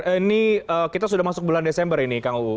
ini kita sudah masuk bulan desember ini kang uu